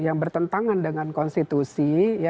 yang bertentangan dengan konstitusi